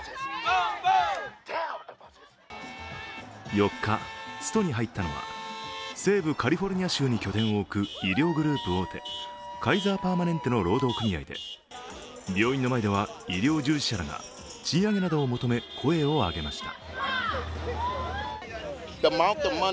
４日、ストに入ったのは西部カリフォルニア州に拠点を置く医療グループ大手、カイザーパーマネンテの労働組合で病院の前では医療従事者らが賃上げなどを求め、声を上げました。